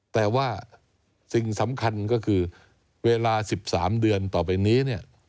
แต่ว่าสิ่งสำคัญก็คือเวลา๑๓เดือนต่อไปนี้เนี่ย